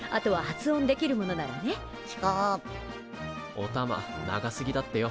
おたま長すぎだってよ。